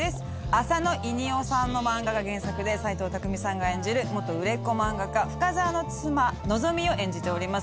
浅野いにおさんの漫画が原作で斎藤工さんが演じる売れっ子漫画家深澤の妻のぞみを演じております。